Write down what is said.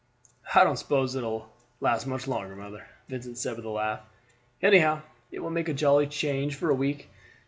"I don't suppose it will last much longer, mother," Vincent said with a laugh. "Anyhow, it will make a jolly change for a week.